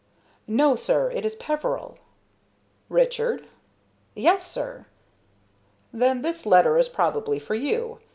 "No, sir; it is Peveril." "Richard?" "Yes, sir." "Then this letter is probably for you.